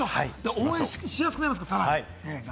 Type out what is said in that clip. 応援しやすくなります。